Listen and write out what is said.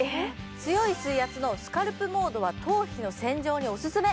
強い水圧のスカルプモードは頭皮の洗浄にオススメ。